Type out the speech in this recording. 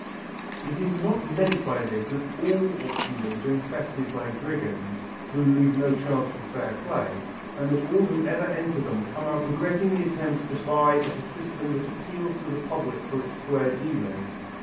It is not meant by this that all auction rooms are infested by brigands, who leave no chance for fair play, and that all who ever enter them come out regretting the attempt to buy by a system that appeals to the public for its square dealing.